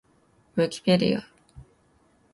ウィキペディア